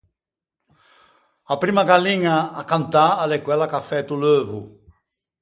A primma galliña à cantâ a l’é quella chi à fæto l’euvo.